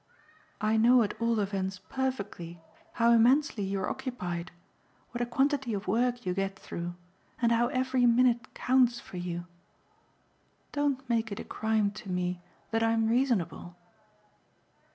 I know at all events perfectly how immensely you're occupied, what a quantity of work you get through and how every minute counts for you. Don't make it a crime to me that I'm reasonable."